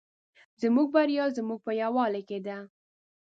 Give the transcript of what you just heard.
زموږ بریا زموږ په یوالي کې ده